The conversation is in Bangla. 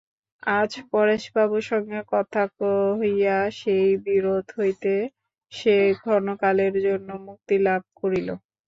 আজ পরেশবাবুর সঙ্গে কথা কহিয়া সেই বিরোধ হইতে সে ক্ষণকালের জন্য মুক্তিলাভ করিল।